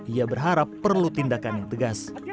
ia berharap perlu tindakan yang tegas